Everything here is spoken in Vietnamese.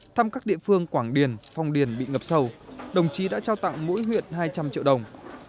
thăm các địa phương quảng điền phong điền bị ngập sâu đồng chí đã trao tặng mỗi huyện hai trăm linh triệu đồng